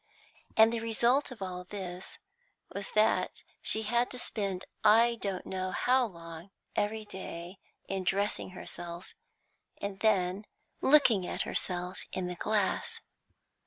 And the result of all this was that she had to spend I don't know how long every day in dressing herself, and then looking at herself in the glass.